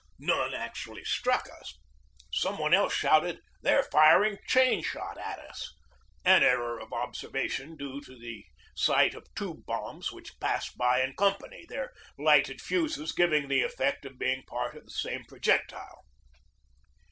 None actually struck us. Some one else shouted, "They're firing chain shot at us!" an error of observation due to the sight of two bombs which passed by in company, their lighted fuses giving the effect of being part of the same pro jectile.